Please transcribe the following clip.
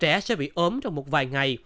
trẻ sẽ bị ốm trong một vài ngày